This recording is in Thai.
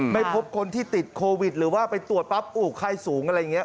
ไม่พบคนที่ติดโควิดหรือว่าไปตรวจปั๊บไข้สูงอะไรอย่างนี้